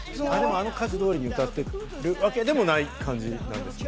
あの歌詞通りに歌ってるわけでもない感じなんですか？